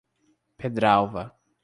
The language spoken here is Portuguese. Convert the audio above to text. Pedralva